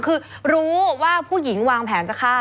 คือรู้ว่าผู้หญิงวางแผนจะฆ่า